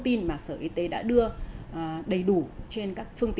xem trên mạng facebook